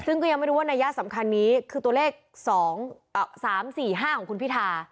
ซึ่งก็ยังไม่รู้ว่านัยยะสำคัญนี้คือตัวเลข๒๓๔๕ของคุณพิธา